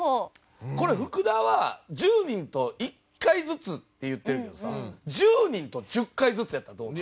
これ福田は１０人と１回ずつって言ってるけどさ１０人と１０回ずつやったらどうなん？